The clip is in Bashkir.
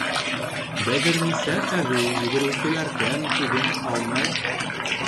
Бәҙерниса әбей, йүгереүселәрҙән күҙен алмай: